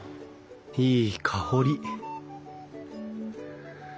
いい香り！